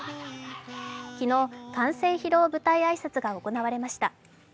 昨日、完成披露舞台挨拶が行われました。